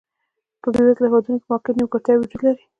په بېوزلو هېوادونو کې د مارکېټ نیمګړتیاوې وجود لري.